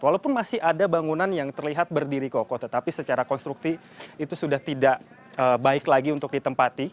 walaupun masih ada bangunan yang terlihat berdiri kokoh tetapi secara konstruktif itu sudah tidak baik lagi untuk ditempati